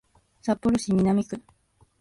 札幌市南区